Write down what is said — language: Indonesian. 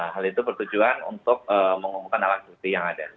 hal itu bertujuan untuk mengumumkan alat bukti yang ada